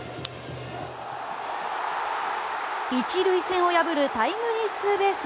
１塁線を破るタイムリーツーベース。